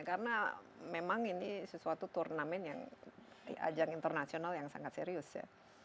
karena memang ini sesuatu turnamen yang di ajang internasional yang sangat serius ya